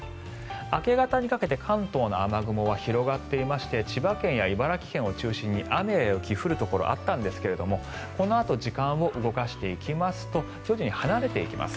明け方にかけて関東の雨雲は広がっていまして千葉県や茨城県を中心に雨や雪が降るところがあったんですがこのあと時間を動かしていきますと徐々に離れていきます。